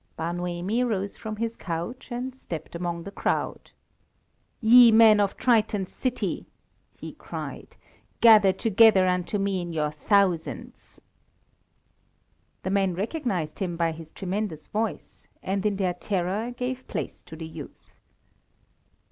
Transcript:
Bar Noemi rose from his couch and stepped among the crowd. "Ye men of Triton's city," he cried, "gather together unto me in your thousands!" The men recognized him by his tremendous voice, and, in their terror, gave place to the youth.